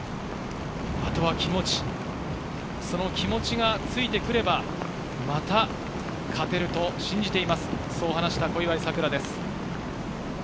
あとは気持ち、その気持ちがついてくれば、また勝てると信じています、そう話した小祝さくらです。